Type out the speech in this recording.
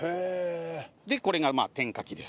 でこれが点火機です。